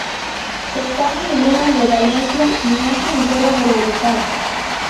Está en la luna de Valencia y no se entera de la mitad